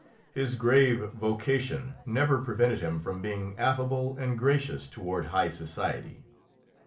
His grave vocation never prevented him from being affable and gracious toward high society.